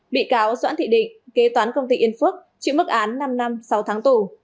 bị cáo doãn thị định kế toán công ty yên phước chịu mức án năm năm sáu tháng tù